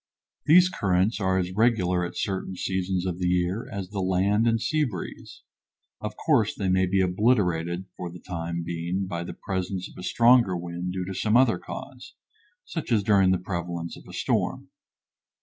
These currents are as regular at certain seasons of the year as the land and sea breeze. Of course, they may be obliterated for the time being, by the presence of a stronger wind due to some other cause, such as during the prevalence of a storm.